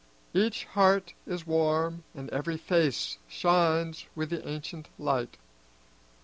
Each heart is warm and every face shines with the ancient light.